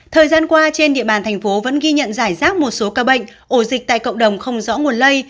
thời gian qua trên địa bàn thành phố vẫn ghi nhận giải rác một số ca bệnh ổ dịch tại cộng đồng không rõ nguồn lây